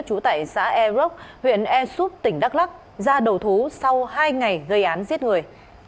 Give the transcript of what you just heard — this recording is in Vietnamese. trú tại xã e rock huyện e soup tỉnh đắk lắc ra đầu thú sau hai ngày gây án giết người